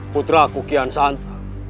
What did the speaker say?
putra ku kian santa